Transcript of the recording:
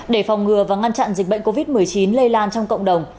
để phòng ngừa và ngăn chặn dịch bệnh covid một mươi chín lây lan trong cộng đồng